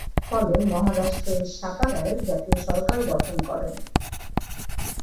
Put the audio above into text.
ফলে মহারাষ্ট্র এর সাতারায় জাতীয় সরকার গঠন করেন।